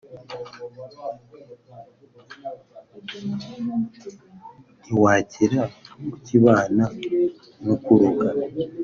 ntiwakira ukibana n’ukuroga